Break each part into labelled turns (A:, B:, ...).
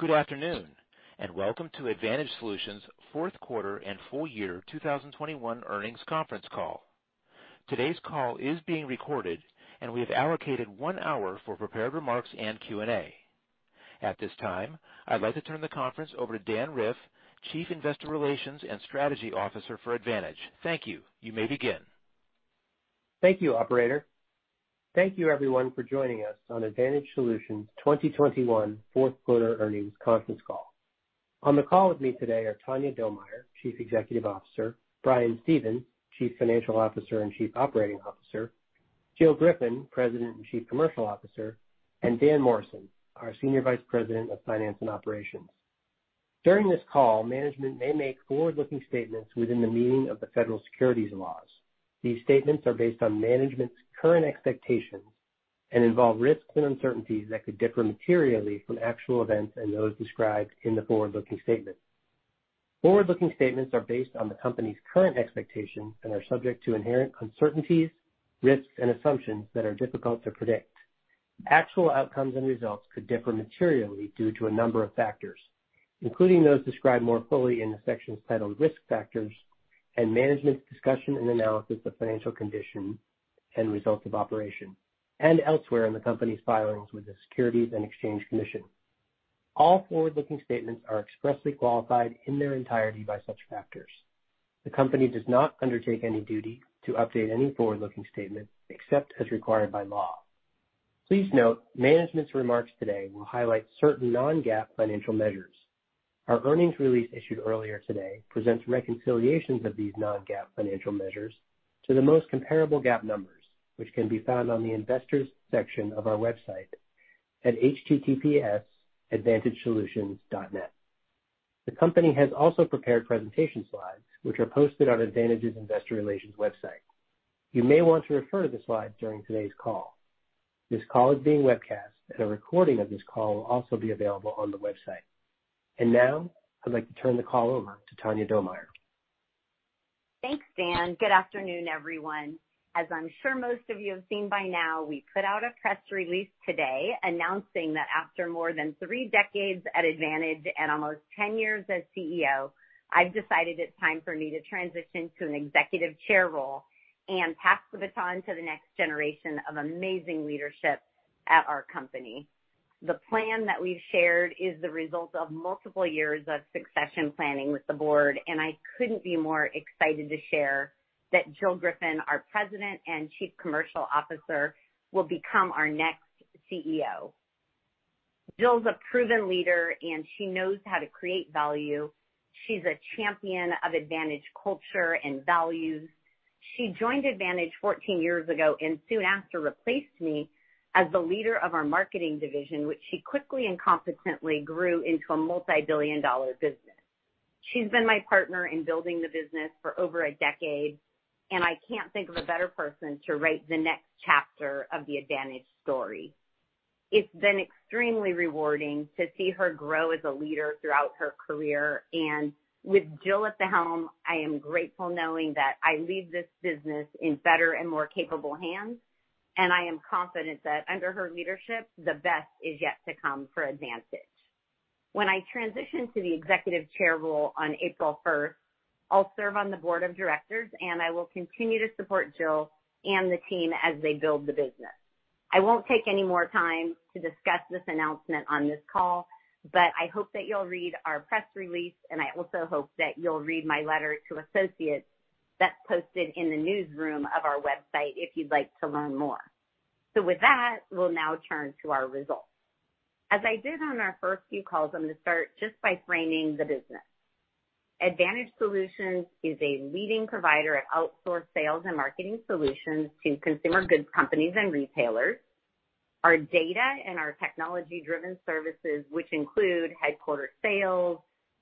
A: Good afternoon, and welcome to Advantage Solutions Q4 and full year 2021 earnings conference call. Today's call is being recorded, and we have allocated one hour for prepared remarks and Q&A. At this time, I'd like to turn the conference over to Dan Riff, Chief Investor Relations and Strategy Officer for Advantage. Thank you. You may begin.
B: Thank you, operator. Thank you everyone for joining us on Advantage Solutions 2021 Q4 earnings conference call. On the call with me today are Tanya Domier, Chief Executive Officer, Brian Stevens, Chief Financial Officer and Chief Operating Officer, Jill Griffin, President and Chief Commercial Officer, and Dan Morrison, our Senior Vice President of Finance and Operations. During this call, management may make forward-looking statements within the meaning of the federal securities laws. These statements are based on management's current expectations and involve risks and uncertainties that could differ materially from actual events and those described in the forward-looking statement. Forward-looking statements are based on the company's current expectations and are subject to inherent uncertainties, risks, and assumptions that are difficult to predict. Actual outcomes and results could differ materially due to a number of factors, including those described more fully in the section titled Risk Factors and Management's Discussion and Analysis of Financial Condition and Results of Operations and elsewhere in the company's filings with the Securities and Exchange Commission. All forward-looking statements are expressly qualified in their entirety by such factors. The company does not undertake any duty to update any forward-looking statement except as required by law. Please note management's remarks today will highlight certain non-GAAP financial measures. Our earnings release issued earlier today presents reconciliations of these non-GAAP financial measures to the most comparable GAAP numbers, which can be found on the investors section of our website at https://advantagesolutions.net. The company has also prepared presentation slides, which are posted on Advantage's investor relations website. You may want to refer to the slides during today's call. This call is being webcast, and a recording of this call will also be available on the website. Now, I'd like to turn the call over to Tanya Domier.
C: Thanks, Dan. Good afternoon, everyone. As I'm sure most of you have seen by now, we put out a press release today announcing that after more than three decades at Advantage and almost 10 years as CEO, I've decided it's time for me to transition to an executive chair role and pass the baton to the next generation of amazing leadership at our company. The plan that we've shared is the result of multiple years of succession planning with the board, and I couldn't be more excited to share that Jill Griffin, our President and Chief Commercial Officer, will become our next CEO. Jill's a proven leader, and she knows how to create value. She's a champion of Advantage culture and values. She joined Advantage 14 years ago and soon after replaced me as the leader of our marketing division, which she quickly and competently grew into a multi-billion dollar business. She's been my partner in building the business for over a decade, and I can't think of a better person to write the next chapter of the Advantage story. It's been extremely rewarding to see her grow as a leader throughout her career. With Jill at the helm, I am grateful knowing that I leave this business in better and more capable hands, and I am confident that under her leadership, the best is yet to come for Advantage. When I transition to the executive chair role on April first, I'll serve on the board of directors, and I will continue to support Jill and the team as they build the business. I won't take any more time to discuss this announcement on this call, but I hope that you'll read our press release, and I also hope that you'll read my letter to associates that's posted in the newsroom of our website if you'd like to learn more. With that, we'll now turn to our results. As I did on our first few calls, I'm gonna start just by framing the business. Advantage Solutions is a leading provider of outsourced sales and marketing solutions to consumer goods companies and retailers. Our data and our technology-driven services, which include headquartered sales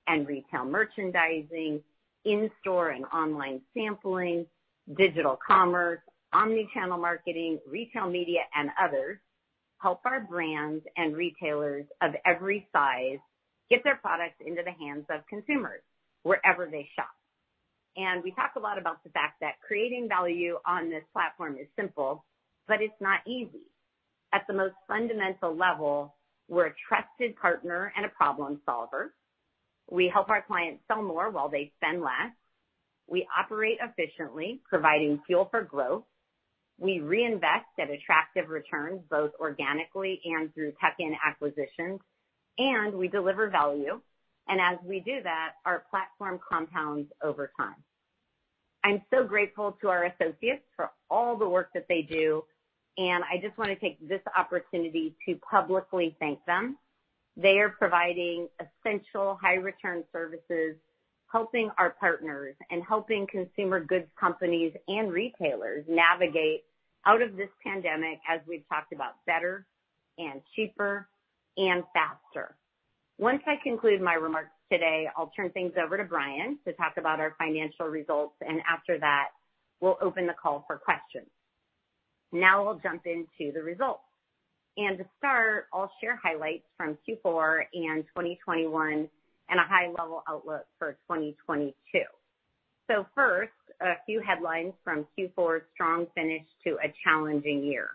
C: and retail merchandising, in-store and online sampling, digital commerce, omni-channel marketing, retail media, and others, help our brands and retailers of every size get their products into the hands of consumers wherever they shop. We talk a lot about the fact that creating value on this platform is simple, but it's not easy. At the most fundamental level, we're a trusted partner and a problem solver. We help our clients sell more while they spend less. We operate efficiently, providing fuel for growth. We reinvest at attractive returns, both organically and through tech and acquisitions, and we deliver value. As we do that, our platform compounds over time. I'm so grateful to our associates for all the work that they do, and I just wanna take this opportunity to publicly thank them. They are providing essential high return services, helping our partners and helping consumer goods companies and retailers navigate out of this pandemic, as we've talked about better and cheaper and faster. Once I conclude my remarks today, I'll turn things over to Brian to talk about our financial results, and after that, we'll open the call for questions. Now I'll jump into the results. To start, I'll share highlights from Q4 and 2021 and a high-level outlook for 2022. First, a few headlines from Q4's strong finish to a challenging year.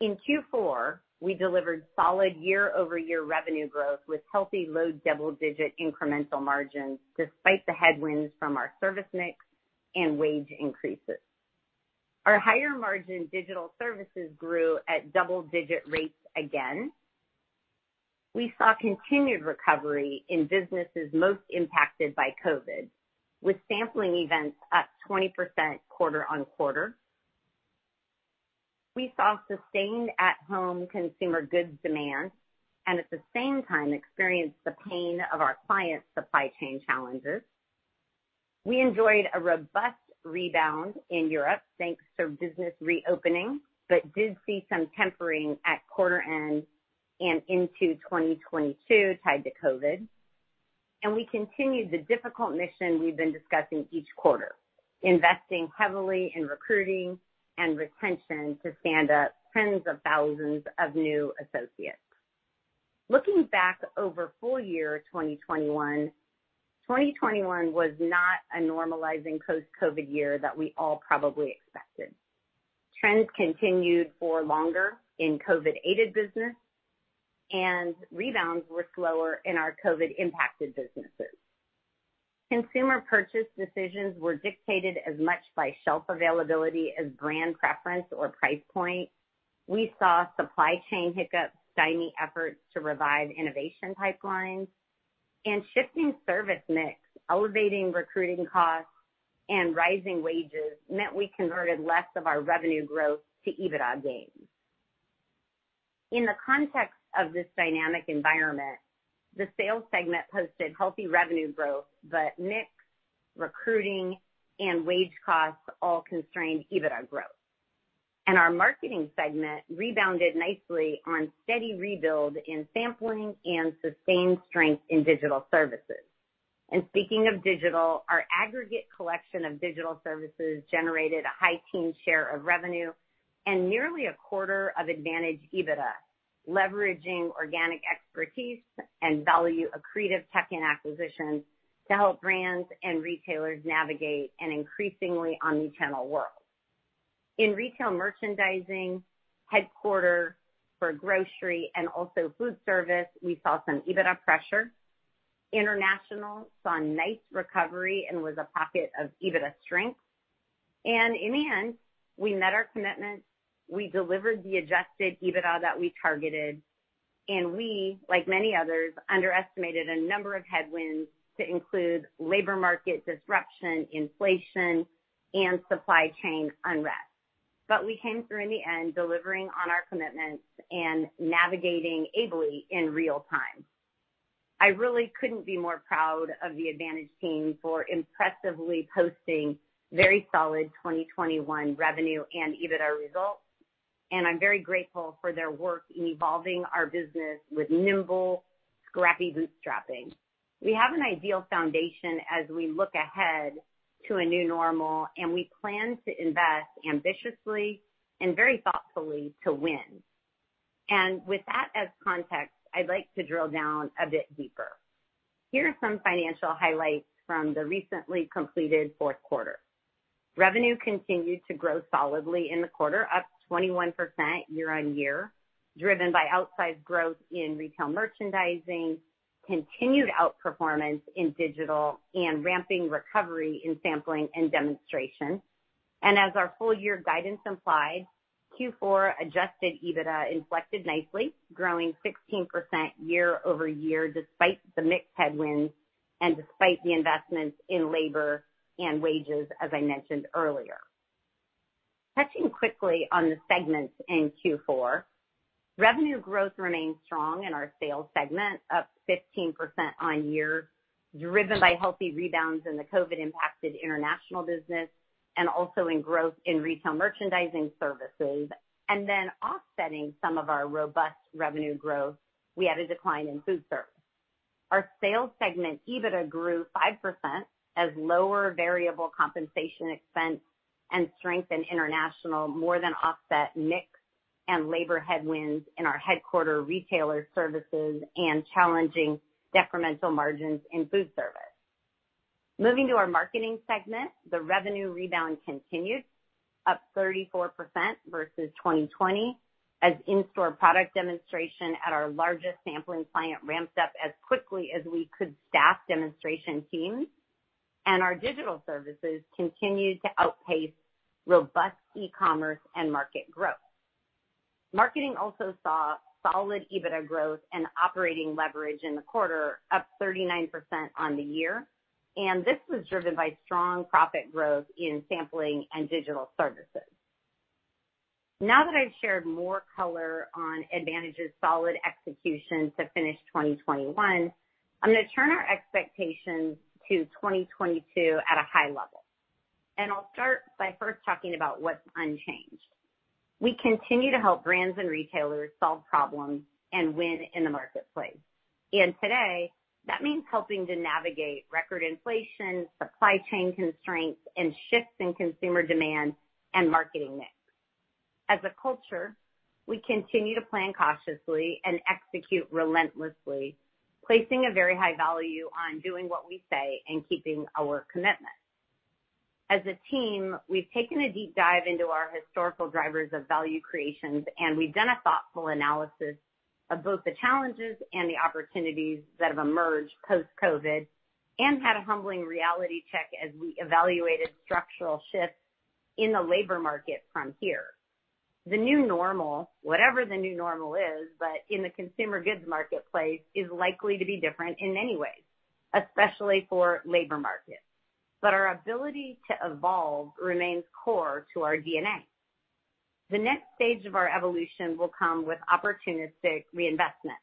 C: In Q4, we delivered solid year-over-year revenue growth with healthy low double-digit incremental margins despite the headwinds from our service mix and wage increases. Our higher margin digital services grew at double-digit rates again. We saw continued recovery in businesses most impacted by COVID, with sampling events up 20% quarter-over-quarter. We saw sustained at-home consumer goods demand and at the same time experienced the pain of our clients' supply chain challenges. We enjoyed a robust rebound in Europe thanks to business reopening, but did see some tempering at quarter end and into 2022 tied to COVID. We continued the difficult mission we've been discussing each quarter, investing heavily in recruiting and retention to stand up tens of thousands of new associates. Looking back over full year 2021 was not a normalizing post-COVID year that we all probably expected. Trends continued for longer in COVID-aided business and rebounds were slower in our COVID-impacted businesses. Consumer purchase decisions were dictated as much by shelf availability as brand preference or price point. We saw supply chain hiccups stymie efforts to revive innovation pipelines and shifting service mix, elevating recruiting costs, and rising wages meant we converted less of our revenue growth to EBITDA gains. In the context of this dynamic environment, the sales segment posted healthy revenue growth, but mix, recruiting, and wage costs all constrained EBITDA growth. Our marketing segment rebounded nicely on steady rebuild in sampling and sustained strength in digital services. Speaking of digital, our aggregate collection of digital services generated a high teen share of revenue and nearly a quarter of Advantage EBITDA, leveraging organic expertise and value accretive tech and acquisitions to help brands and retailers navigate an increasingly omnichannel world. In retail merchandising, headquarters for grocery and also food service, we saw some EBITDA pressure. International saw a nice recovery and was a pocket of EBITDA strength. In the end, we met our commitment. We delivered the adjusted EBITDA that we targeted, and we, like many others, underestimated a number of headwinds to include labor market disruption, inflation, and supply chain unrest. We came through in the end, delivering on our commitments and navigating ably in real time. I really couldn't be more proud of the Advantage team for impressively posting very solid 2021 revenue and EBITDA results, and I'm very grateful for their work in evolving our business with nimble, scrappy bootstrapping. We have an ideal foundation as we look ahead to a new normal, and we plan to invest ambitiously and very thoughtfully to win. With that as context, I'd like to drill down a bit deeper. Here are some financial highlights from the recently completed Q4. Revenue continued to grow solidly in the quarter, up 21% year-on-year, driven by outsized growth in retail merchandising, continued outperformance in digital, and ramping recovery in sampling and demonstration. As our full year guidance implied, Q4 adjusted EBITDA inflected nicely, growing 16% year-over-year despite the mix headwinds and despite the investments in labor and wages, as I mentioned earlier. Touching quickly on the segments in Q4, revenue growth remained strong in our sales segment, up 15% year-over-year, driven by healthy rebounds in the COVID-impacted international business and also in growth in retail merchandising services. Offsetting some of our robust revenue growth, we had a decline in food service. Our sales segment EBITDA grew 5% as lower variable compensation expense and strength in international more than offset mix and labor headwinds in our headquarters retailer services and challenging decremental margins in food service. Moving to our marketing segment, the revenue rebound continued, up 34% versus 2020 as in-store product demonstration at our largest sampling client ramped up as quickly as we could staff demonstration teams, and our digital services continued to outpace robust e-commerce and market growth. Marketing also saw solid EBITDA growth and operating leverage in the quarter, up 39% on the year, and this was driven by strong profit growth in sampling and digital services. Now that I've shared more color on Advantage's solid execution to finish 2021, I'm gonna turn our expectations to 2022 at a high level. I'll start by first talking about what's unchanged. We continue to help brands and retailers solve problems and win in the marketplace. Today, that means helping to navigate record inflation, supply chain constraints, and shifts in consumer demand and marketing mix. As a culture, we continue to plan cautiously and execute relentlessly, placing a very high value on doing what we say and keeping our commitment. As a team, we've taken a deep dive into our historical drivers of value creations, and we've done a thoughtful analysis of both the challenges and the opportunities that have emerged post-COVID and had a humbling reality check as we evaluated structural shifts in the labor market from here. The new normal, whatever the new normal is, but in the consumer goods marketplace, is likely to be different in many ways, especially for labor markets. Our ability to evolve remains core to our DNA. The next stage of our evolution will come with opportunistic reinvestment.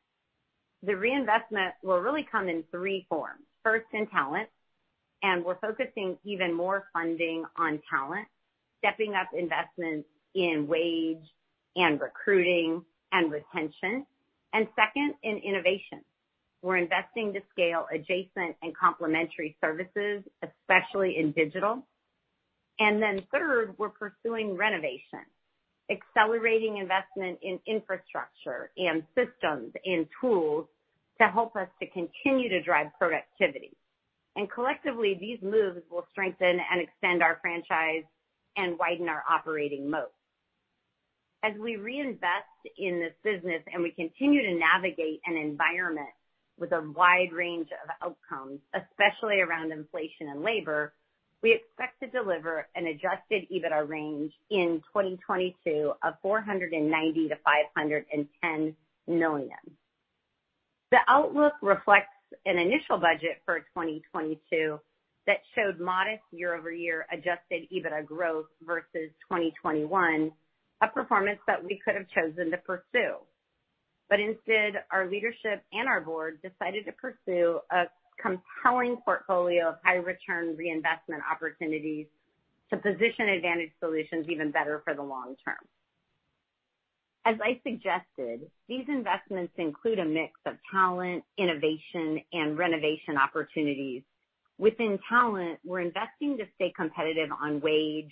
C: The reinvestment will really come in three forms. First, in talent, we're focusing even more funding on talent, stepping up investments in wages and recruiting and retention. Second, in innovation. We're investing to scale adjacent and complementary services, especially in digital. Third, we're pursuing renovation, accelerating investment in infrastructure and systems and tools to help us to continue to drive productivity. Collectively, these moves will strengthen and extend our franchise and widen our operating moat. As we reinvest in this business and we continue to navigate an environment with a wide range of outcomes, especially around inflation and labor, we expect to deliver an adjusted EBITDA range in 2022 of $490 million-$510 million. The outlook reflects an initial budget for 2022 that showed modest year-over-year adjusted EBITDA growth versus 2021, a performance that we could have chosen to pursue. Instead, our leadership and our board decided to pursue a compelling portfolio of high return reinvestment opportunities to position Advantage Solutions even better for the long term. As I suggested, these investments include a mix of talent, innovation, and renovation opportunities. Within talent, we're investing to stay competitive on wage,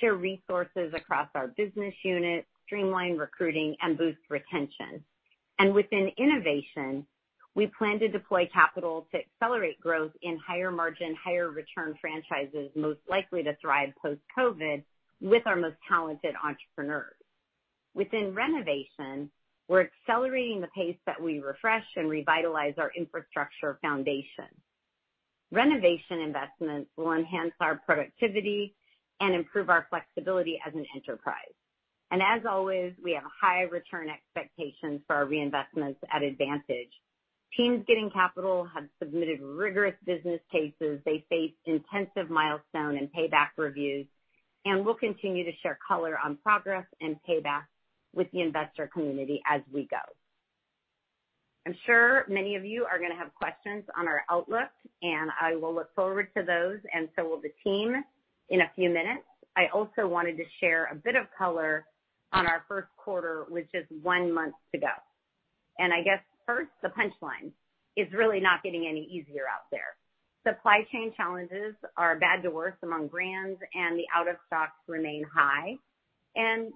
C: share resources across our business units, streamline recruiting, and boost retention. Within innovation, we plan to deploy capital to accelerate growth in higher margin, higher return franchises most likely to thrive post-COVID with our most talented entrepreneurs. Within renovation, we're accelerating the pace that we refresh and revitalize our infrastructure foundation. Renovation investments will enhance our productivity and improve our flexibility as an enterprise. As always, we have high return expectations for our reinvestments at Advantage. Teams getting capital have submitted rigorous business cases. They face intensive milestone and payback reviews, and we'll continue to share color on progress and payback with the investor community as we go. I'm sure many of you are gonna have questions on our outlook, and I will look forward to those, and so will the team in a few minutes. I also wanted to share a bit of color on our Q1, which is one month to go. I guess first, the punchline. It's really not getting any easier out there. Supply chain challenges are from bad to worse among brands, and the out-of-stocks remain high.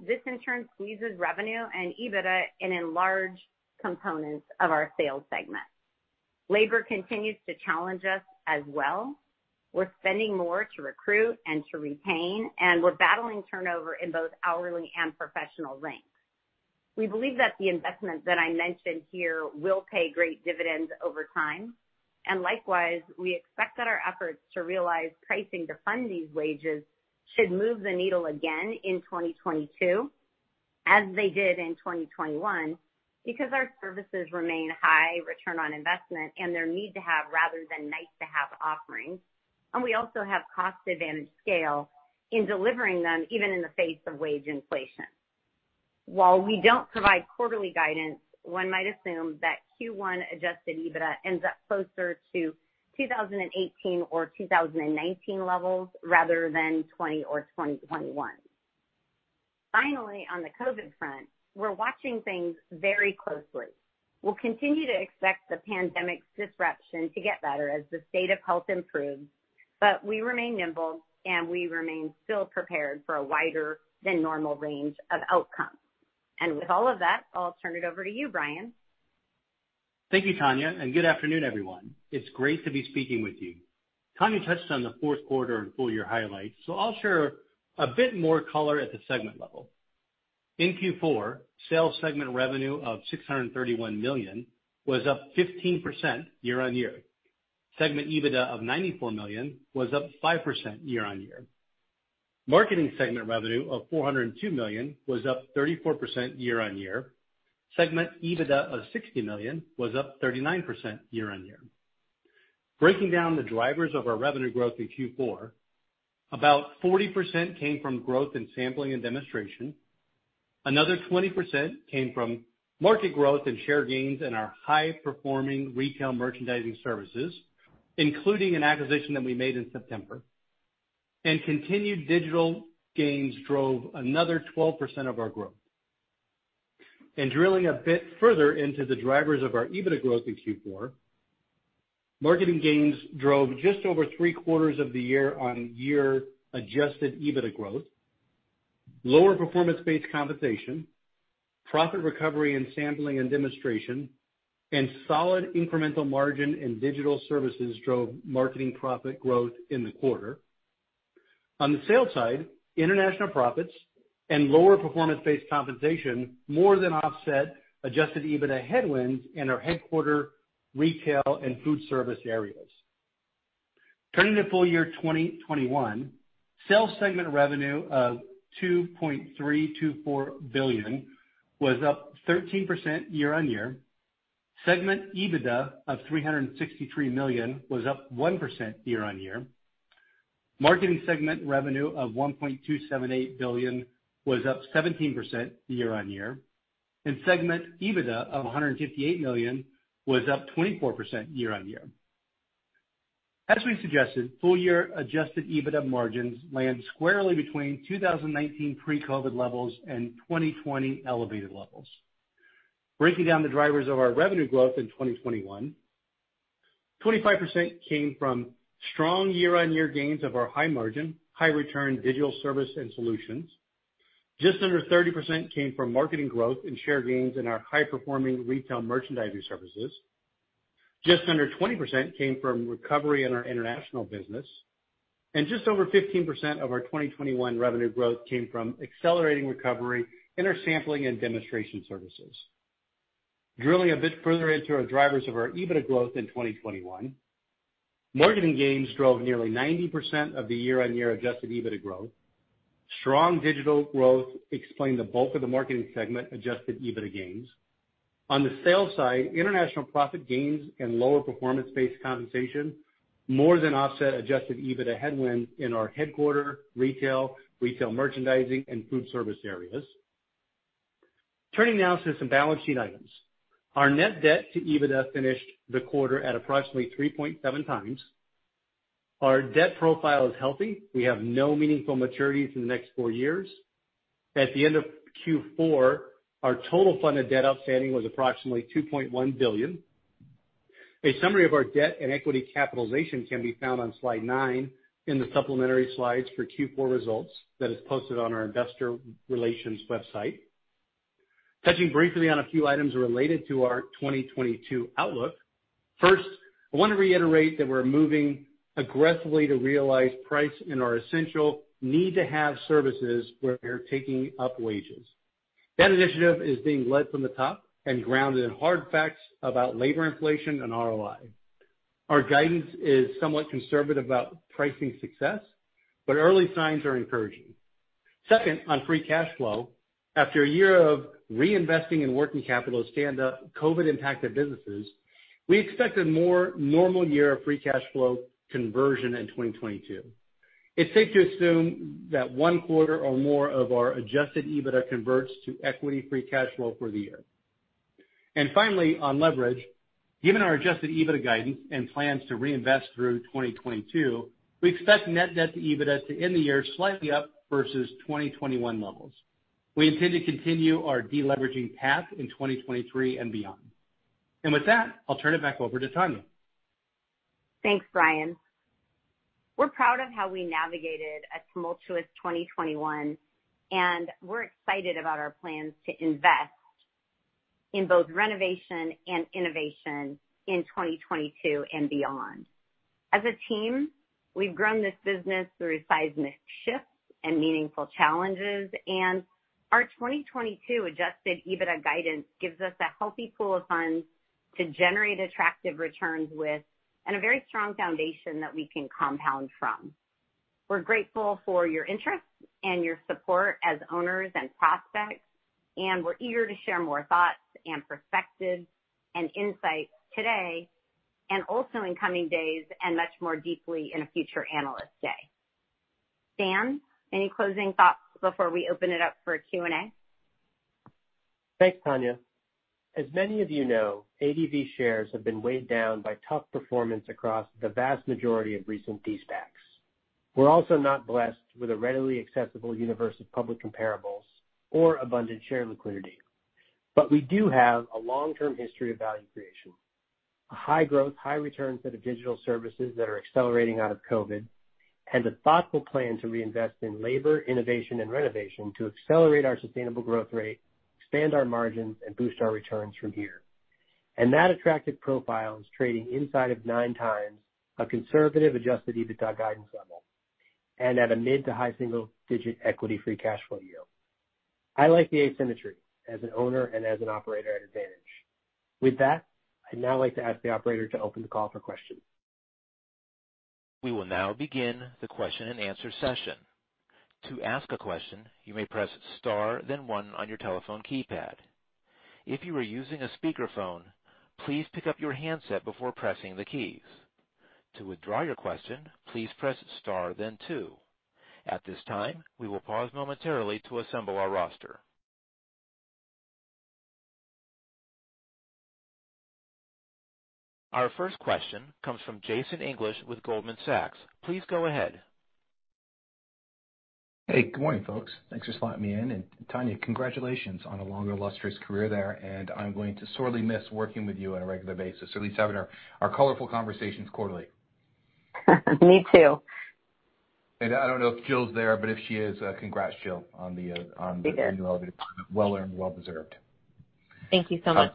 C: This in turn squeezes revenue and EBITDA in larger components of our sales segment. Labor continues to challenge us as well. We're spending more to recruit and to retain, and we're battling turnover in both hourly and professional ranks. We believe that the investment that I mentioned here will pay great dividends over time, and likewise, we expect that our efforts to realize pricing to fund these wages should move the needle again in 2022, as they did in 2021, because our services remain high return on investment and they're need-to-have rather than nice-to-have offerings, and we also have cost advantage scale in delivering them even in the face of wage inflation. While we don't provide quarterly guidance, one might assume that Q1 adjusted EBITDA ends up closer to 2018 or 2019 levels rather than 2020 or 2021. Finally, on the COVID front, we're watching things very closely. We'll continue to expect the pandemic's disruption to get better as the state of health improves, but we remain nimble, and we remain still prepared for a wider than normal range of outcomes. With all of that, I'll turn it over to you, Brian.
D: Thank you, Tanya, and good afternoon, everyone. It's great to be speaking with you. Tanya touched on the Q4 and full year highlights, so I'll share a bit more color at the segment level. In Q4, sales segment revenue of $631 million was up 15% year-on-year. Segment EBITDA of $94 million was up 5% year-on-year. Marketing segment revenue of $402 million was up 34% year-on-year. Segment EBITDA of $60 million was up 39% year-on-year. Breaking down the drivers of our revenue growth in Q4, about 40% came from growth in sampling and demonstration. Another 20% came from market growth and share gains in our high-performing retail merchandising services, including an acquisition that we made in September. Continued digital gains drove another 12% of our growth. Drilling a bit further into the drivers of our EBITDA growth in Q4, marketing gains drove just over three-quarters of the year-on-year adjusted EBITDA growth. Lower performance-based compensation, profit recovery and sampling and demonstration, and solid incremental margin in digital services drove marketing profit growth in the quarter. On the sales side, international profits and lower performance-based compensation more than offset adjusted EBITDA headwinds in our headquarters retail and food service areas. Turning to full year 2021, sales segment revenue of $2.324 billion was up 13% year-on-year. Segment EBITDA of $363 million was up 1% year-on-year. Marketing segment revenue of $1.278 billion was up 17% year-on-year. Segment EBITDA of $158 million was up 24% year-on-year. As we suggested, full year adjusted EBITDA margins land squarely between 2019 pre-COVID levels and 2020 elevated levels. Breaking down the drivers of our revenue growth in 2021, 25% came from strong year-on-year gains of our high margin, high return digital service and solutions. Just under 30% came from marketing growth and share gains in our high performing retail merchandising services. Just under 20% came from recovery in our international business. Just over 15% of our 2021 revenue growth came from accelerating recovery in our sampling and demonstration services. Drilling a bit further into our drivers of our EBITDA growth in 2021, marketing gains drove nearly 90% of the year-on-year adjusted EBITDA growth. Strong digital growth explained the bulk of the marketing segment adjusted EBITDA gains. On the sales side, international profit gains and lower performance-based compensation more than offset adjusted EBITDA headwind in our headquarters retail merchandising, and food service areas. Turning now to some balance sheet items. Our net debt to EBITDA finished the quarter at approximately 3.7 times. Our debt profile is healthy. We have no meaningful maturities in the next four years. At the end of Q4, our total funded debt outstanding was approximately $2.1 billion. A summary of our debt and equity capitalization can be found on slide nine in the supplementary slides for Q4 results that is posted on our investor relations website. Touching briefly on a few items related to our 2022 outlook. First, I wanna reiterate that we're moving aggressively to realize price in our essential need to have services where they're taking up wages. That initiative is being led from the top and grounded in hard facts about labor inflation and ROI. Our guidance is somewhat conservative about pricing success, but early signs are encouraging. Second, on free cash flow, after a year of reinvesting in working capital to stand up COVID impacted businesses, we expect a more normal year of free cash flow conversion in 2022. It's safe to assume that one quarter or more of our adjusted EBITDA converts to equity free cash flow for the year. Finally, on leverage, given our adjusted EBITDA guidance and plans to reinvest through 2022, we expect net debt to EBITDA to end the year slightly up versus 2021 levels. We intend to continue our de-leveraging path in 2023 and beyond. With that, I'll turn it back over to Tanya.
C: Thanks, Brian. We're proud of how we navigated a tumultuous 2021, and we're excited about our plans to invest in both renovation and innovation in 2022 and beyond. As a team, we've grown this business through seismic shifts and meaningful challenges, and our 2022 adjusted EBITDA guidance gives us a healthy pool of funds to generate attractive returns with and a very strong foundation that we can compound from. We're grateful for your interest and your support as owners and prospects, and we're eager to share more thoughts and perspectives and insight today, and also in coming days and much more deeply in a future Analyst Day. Dan, any closing thoughts before we open it up for Q&A?
B: Thanks, Tanya. As many of you know, ADV shares have been weighed down by tough performance across the vast majority of recent de-SPACs. We're also not blessed with a readily accessible universe of public comparables or abundant share liquidity. We do have a long-term history of value creation. A high growth, high return set of digital services that are accelerating out of COVID, and a thoughtful plan to reinvest in labor, innovation, and renovation to accelerate our sustainable growth rate, expand our margins, and boost our returns from here. That attractive profile is trading inside of 9x a conservative adjusted EBITDA guidance level and at a mid- to high-single-digit equity free cash flow yield. I like the asymmetry as an owner and as an operator at Advantage. With that, I'd now like to ask the operator to open the call for questions.
A: We will now begin the question and answer session. To ask a question, you may press star then one on your telephone keypad. If you are using a speakerphone, please pick up your handset before pressing the keys. To withdraw your question, please press star then two. At this time, we will pause momentarily to assemble our roster. Our first question comes from Jason English with Goldman Sachs. Please go ahead.
E: Hey, good morning, folks. Thanks for slotting me in. Tanya, congratulations on a long and illustrious career there, and I'm going to sorely miss working with you on a regular basis. At least having our colorful conversations quarterly.
C: Me too.
E: I don't know if Jill's there, but if she is, congrats, Jill, on the
C: She's here. Well-earned, well-deserved.
F: Thank you so much.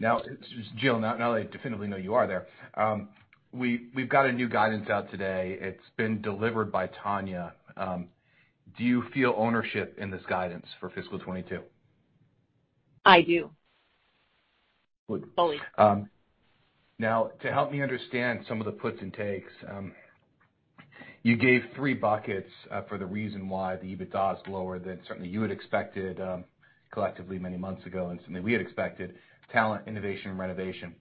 E: Now, Jill, now that I definitively know you are there, we've got a new guidance out today. It's been delivered by Tanya. Do you feel ownership in this guidance for fiscal 2022?
F: I do. Fully.
E: Now, to help me understand some of the puts and takes, you gave three buckets for the reason why the EBITDA is lower than certainly you had expected, collectively many months ago and something we had expected: talent, innovation, and renovation.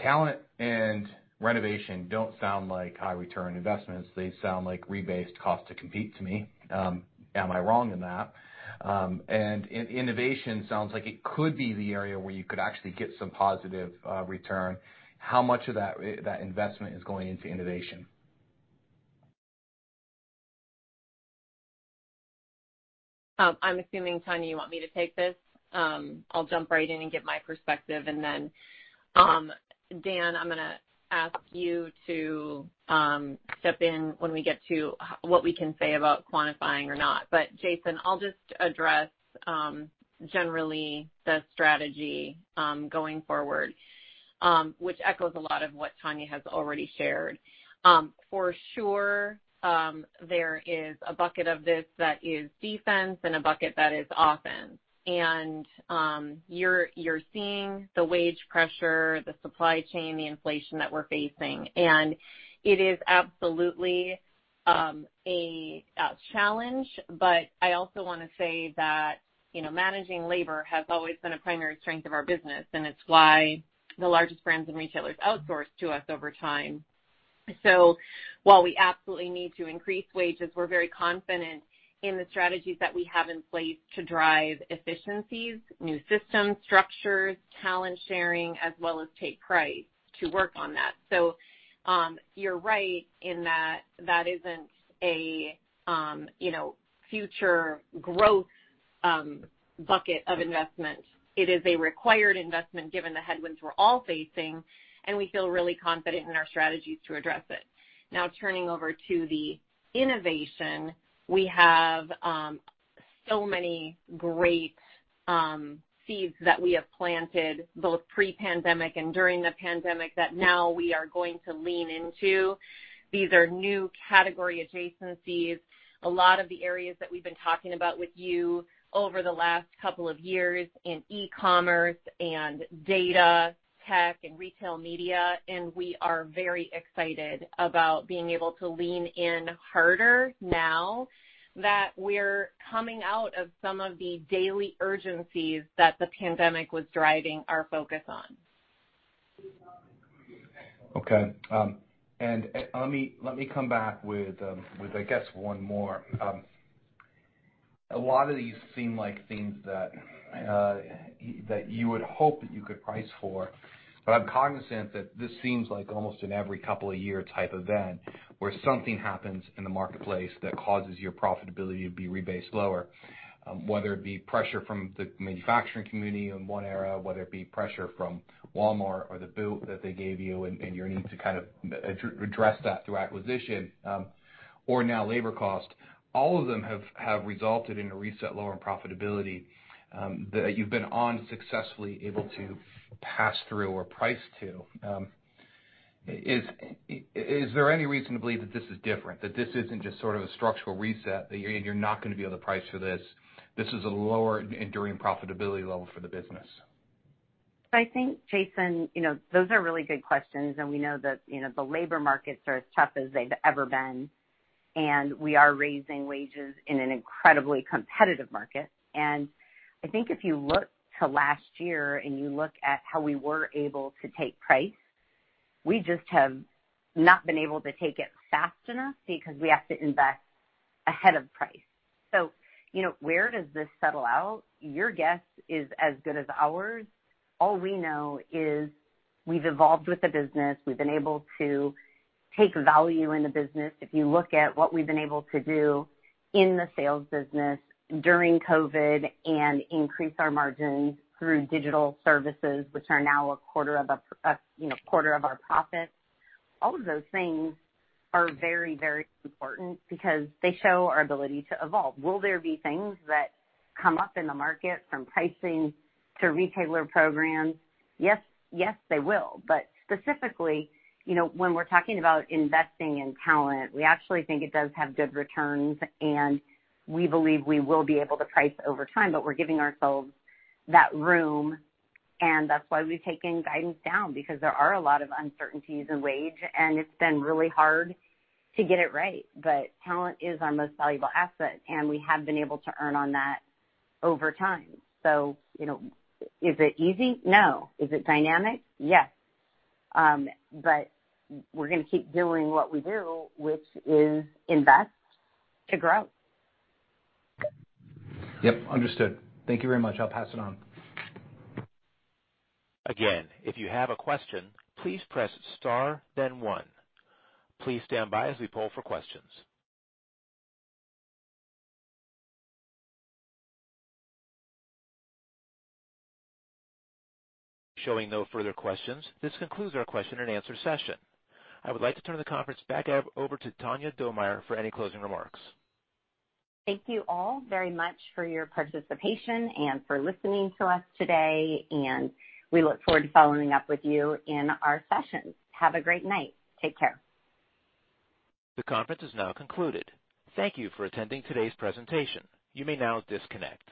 E: Talent and renovation don't sound like high return investments. They sound like rebased cost to compete to me. Am I wrong in that? Innovation sounds like it could be the area where you could actually get some positive return. How much of that investment is going into innovation?
F: I'm assuming, Tanya, you want me to take this. I'll jump right in and give my perspective. Then, Dan, I'm gonna ask you to step in when we get to what we can say about quantifying or not. Jason, I'll just address generally the strategy going forward, which echoes a lot of what Tanya has already shared. For sure, there is a bucket of this that is defense and a bucket that is offense. You're seeing the wage pressure, the supply chain, the inflation that we're facing, and it is absolutely a challenge. I also wanna say that, you know, managing labor has always been a primary strength of our business, and it's why the largest brands and retailers outsource to us over time. While we absolutely need to increase wages, we're very confident in the strategies that we have in place to drive efficiencies, new systems, structures, talent sharing, as well as take price to work on that. You're right in that isn't a you know future growth bucket of investment. It is a required investment given the headwinds we're all facing, and we feel really confident in our strategies to address it. Now, turning over to the innovation, we have so many great seeds that we have planted both pre-pandemic and during the pandemic that now we are going to lean into. These are new category adjacencies. A lot of the areas that we've been talking about with you over the last couple of years in e-commerce and data, tech, and retail media, and we are very excited about being able to lean in harder now that we're coming out of some of the daily urgencies that the pandemic was driving our focus on.
E: Okay. Let me come back with, I guess, one more. A lot of these seem like things that you would hope that you could price for, but I'm cognizant that this seems like almost an every couple of year type event where something happens in the marketplace that causes your profitability to be rebased lower, whether it be pressure from the manufacturing community in one era, whether it be pressure from Walmart or the boot that they gave you and your need to kind of address that through acquisition, or now labor cost. All of them have resulted in a reset lower profitability that you've been unsuccessfully able to pass through or price to. Is there any reason to believe that this is different, that this isn't just sort of a structural reset, that you're not gonna be able to price for this? This is a lower enduring profitability level for the business.
C: I think, Jason, you know, those are really good questions, and we know that, you know, the labor markets are as tough as they've ever been, and we are raising wages in an incredibly competitive market. I think if you look to last year and you look at how we were able to take price, we just have not been able to take it fast enough because we have to invest ahead of price. You know, where does this settle out? Your guess is as good as ours. All we know is we've evolved with the business. We've been able to take value in the business. If you look at what we've been able to do in the sales business during COVID and increase our margins through digital services, which are now a quarter, you know, of our profits, all of those things are very, very important because they show our ability to evolve. Will there be things that come up in the market from pricing to retailer programs? Yes. Yes, they will. But specifically, you know, when we're talking about investing in talent, we actually think it does have good returns, and we believe we will be able to price over time, but we're giving ourselves that room, and that's why we've taken guidance down, because there are a lot of uncertainties in wages, and it's been really hard to get it right. But talent is our most valuable asset, and we have been able to earn on that over time. You know, is it easy? No. Is it dynamic? Yes. We're gonna keep doing what we do, which is invest to grow.
E: Yep, understood. Thank you very much. I'll pass it on.
A: Again, if you have a question, please press star then one. Please stand by as we poll for questions. Showing no further questions. This concludes our question and answer session. I would like to turn the conference back over to Tanya Domier for any closing remarks.
C: Thank you all very much for your participation and for listening to us today, and we look forward to following up with you in our sessions. Have a great night. Take care.
A: The conference is now concluded. Thank you for attending today's presentation. You may now disconnect.